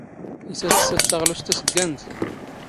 ⵉⵙ ⴰⵖ ⵜⵙⵙⴰⴷ ⵜⴰⵖⵍⵓⵙⵜ ⵜⴰⵙⴳⴳⴰⵏⵜ?